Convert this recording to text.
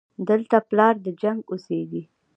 دلته پلار د جنګ اوسېږي